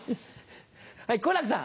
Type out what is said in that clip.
はい好楽さん。